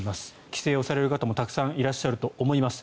帰省をされる方もたくさんいらっしゃると思います。